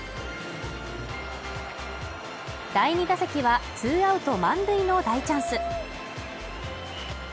第２打席は、ツーアウト満塁の大チャンス。